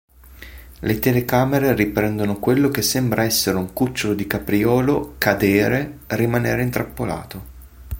Le telecamere riprendono quello che sembra essere un cucciolo di capriolo cadere, rimanere intrappolato.